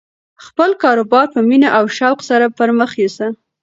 خپل کاروبار په مینه او شوق سره پرمخ یوسه.